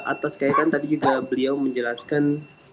atau sekalian tadi juga beliau menjelaskan